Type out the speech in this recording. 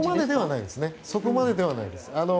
そこまでではないです。